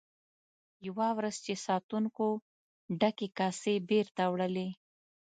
یوه ورځ چې ساتونکو ډکې کاسې بیرته وړلې.